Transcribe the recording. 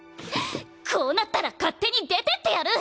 こうなったら勝手に出てってやる！